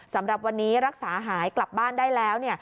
สำหรับวันนี้รักษาหายกลับบ้านได้แล้ว